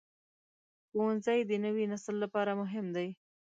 ښوونځی د نوي نسل لپاره مهم دی.